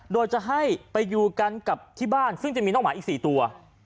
โดยจะให้ไปอยู่กันกับที่บ้านซึ่งจะมีน้องหมาอีก๔ตัว